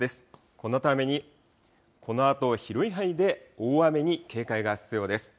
このために、このあと広い範囲で大雨に警戒が必要です。